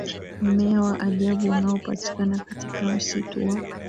mmea wa ajabu unaopatikana katika msitu wa